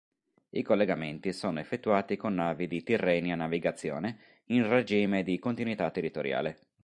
I collegamenti sono effettuati con navi di Tirrenia Navigazione in regime di continuità territoriale.